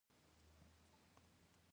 د اووه سوه کیلو بار یادونه په کې شوې وه.